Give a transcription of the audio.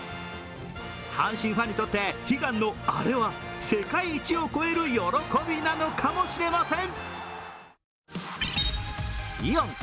阪神ファンにとって悲願のアレは世界一を超える喜びなのかもしれません。